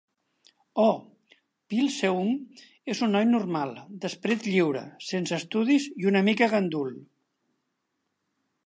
Oh Pil-Seung és un noi normal, d'esperit lliure, sense estudis i una mica gandul.